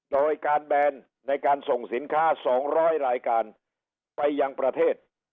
โดยการแบนในการส่งสินค้า๒๐๐รายการไปยังประเทศ